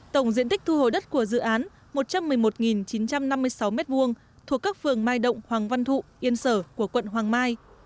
tổng diện tích thu hồi đất của dự án một trăm một mươi một chín trăm năm mươi sáu m hai thuộc các phường mai động hoàng văn thụ yên sở của quận hoàng mai